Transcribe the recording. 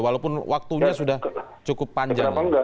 walaupun waktunya sudah cukup panjang